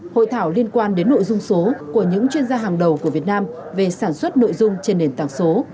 hội thảo liên quan đến nội dung số của những chuyên gia hàng đầu của việt nam về sản xuất nội dung trên nền tảng số